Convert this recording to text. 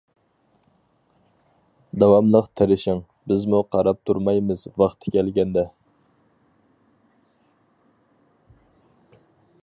داۋاملىق تىرىشىڭ، بىزمۇ قاراپ تۇرمايمىز ۋاقتى كەلگەندە.